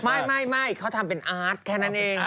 ไม่เขาทำเป็นอาร์ตแค่นั้นเอง